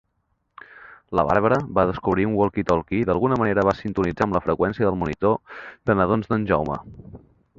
La Bàrbara va descobrir un "walkie-talkie" i d'alguna manera va sintonitzar amb la freqüència del monitor de nadons d'en Jaume.